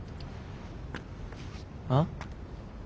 あっ？